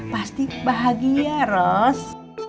pasti bahagia ros